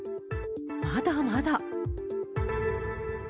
まだまだ。